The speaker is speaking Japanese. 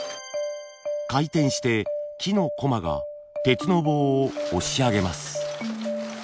回転して木のコマが鉄の棒を押し上げます。